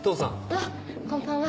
あっこんばんは。